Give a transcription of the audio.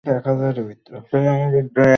কিন্তু নীতিমালা আমাদের তা শেখায় না।